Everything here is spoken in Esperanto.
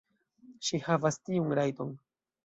Ŝi havas tiun rajton.